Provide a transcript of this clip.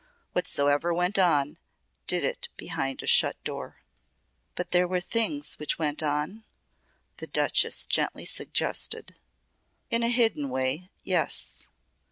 Whatsoever went on did it behind a shut door." "But there were things which went on?" the Duchess gently suggested. "In a hidden way yes.